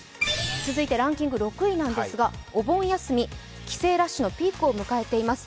続いてランキング６位なんですが、お盆休み、帰省ラッシュのピークを迎えています。